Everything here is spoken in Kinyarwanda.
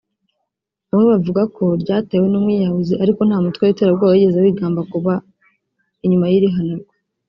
Bamwe bavuga ko ryatewe n’ umwiyahuzi ariko nta mutwe w’ iterabwoba wigeze wigamba kuba inyuma y’ iri hanurwa